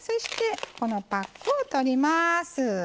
このパックを取ります。